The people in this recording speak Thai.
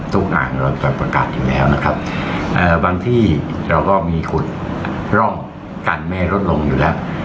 ตรงอ่างเราจะประกาศอยู่แล้วนะครับบางที่เราก็มีขุดร่องกันแม่ลดลงอยู่แล้ว